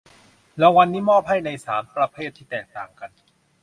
รางวัลนี้มอบให้ในสามประเภทที่แตกต่างกัน